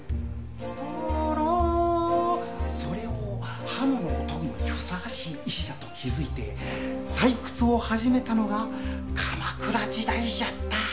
「タラ」それを刃物を研ぐのにふさわしい石だと気づいて採掘を始めたのが鎌倉時代じゃった。